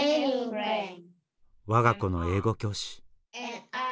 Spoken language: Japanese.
我が子の英語教師。